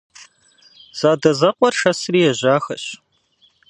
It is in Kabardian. Задэзэкъуэр шэсри ежьахэщ.